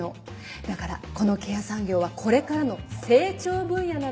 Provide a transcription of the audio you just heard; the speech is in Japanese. だからこのケア産業はこれからの成長分野なのよ。